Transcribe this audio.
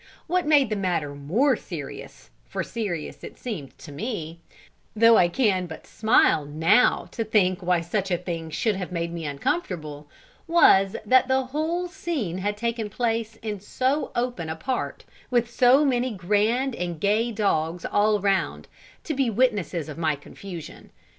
What made the matter more serious, for serious it seemed to me, though I can but smile now to think why such a thing should have made me uncomfortable, was, that the whole scene had taken place in so open a part, with so many grand and gay dogs all round, to be witnesses of my confusion.